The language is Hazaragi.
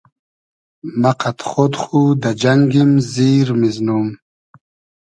مۂ قئد خۉد خو دۂ جئنگیم زیر میزنوم